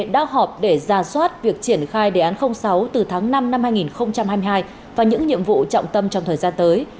đã họp để ra soát việc triển khai đề án sáu từ tháng năm năm hai nghìn hai mươi hai và những nhiệm vụ trọng tâm trong thời gian tới